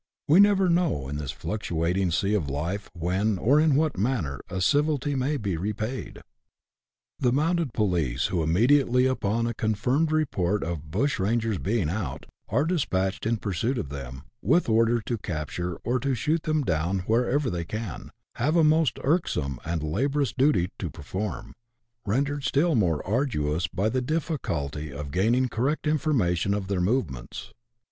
We never know, in this fluctuating sea of life, when, or in what manner, a civility may be repaid. The mounted police, who, immediately upon a confirmed report of " bushrangers being out," are despatched in pursuit of them, with orders to capture or shoot them down wherever they can, have a most irksome and laborious duty to perform, rendered still more arduous by the difficulty of gaining correct information of their movements.